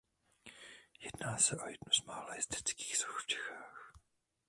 Jedná se o jednu z mála jezdeckých soch v Čechách.